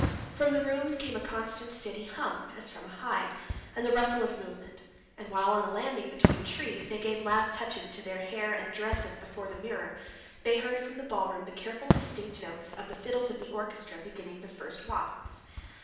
From the rooms came a constant, steady hum, as from a hive, and the rustle of movement; and while on the landing between trees they gave last touches to their hair and dresses before the mirror, they heard from the ballroom the careful, distinct notes of the fiddles of the orchestra beginning the first waltz.